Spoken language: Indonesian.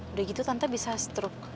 udah gitu tante bisa stroke